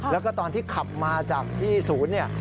แล้วก็ตอนที่ขับมาจากที่ศูนย์เนี่ย